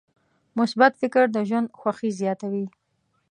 مثبت فکر د ژوند خوښي زیاتوي.